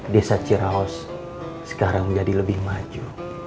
desa ciraos sekarang menjadi lebih maju